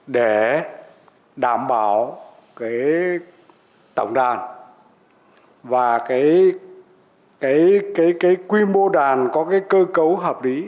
để đảm bảo tổng đàn và quy mô đàn có cơ cấu hợp lý